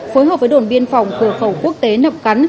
phối hợp với đồn biên phòng cửa khẩu quốc tế nậm cắn